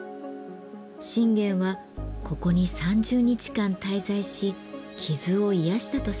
信玄はここに３０日間滞在し傷を癒やしたとされています。